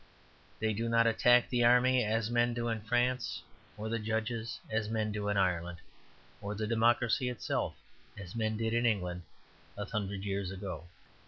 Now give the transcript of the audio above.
They do not attack the army as men do in France, or the judges as men do in Ireland, or the democracy itself as men did in England a hundred years ago.